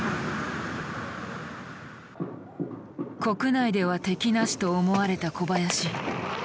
国内では敵なしと思われた小林。